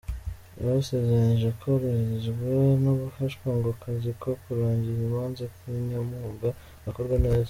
Yabasezeranije koroherezwa no gufashwa ngo akazi ko kurangiza imanza kinyamwuga gakorwe neza.